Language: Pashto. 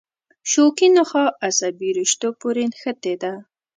شوکي نخاع عصبي رشتو پورې نښتې ده.